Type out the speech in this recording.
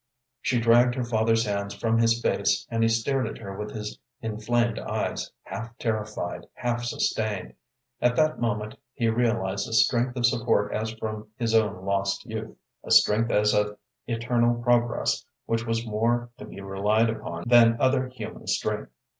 She dragged her father's hands from his face, and he stared at her with his inflamed eyes, half terrified, half sustained. At that moment he realized a strength of support as from his own lost youth, a strength as of eternal progress which was more to be relied upon than other human strength.